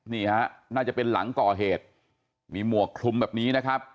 นี่ฮะน่าจะเป็นหลังก่อเหตุมีหมวกคลุมแบบนี้นะครับ